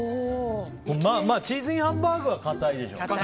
まあチーズＩＮハンバーグは堅いでしょ。